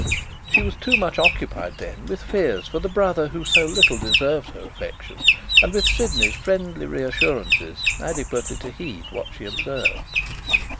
She was too much occupied then with fears for the brother who so little deserved her affection, and with Sydney's friendly reassurances, adequately to heed what she observed.